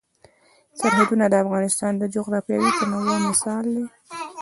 سرحدونه د افغانستان د جغرافیوي تنوع مثال دی.